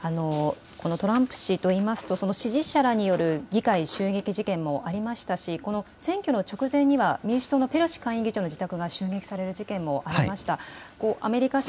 トランプ氏といいますと支持者らによる議会襲撃事件もありましたし選挙の直前には民主党のペロシ下院議長の自宅が襲撃される事件もありました。